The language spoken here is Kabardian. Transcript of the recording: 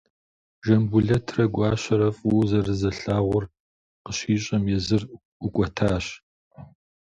Жамбулэтрэ Гуащэрэ фӏыуэ зэрызэрылъагъур къыщищӏэм, езыр ӏукӏуэтащ.